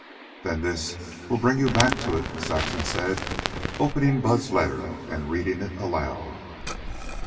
"Then this will bring you back to it," Saxon said, opening Bud's letter and reading it aloud.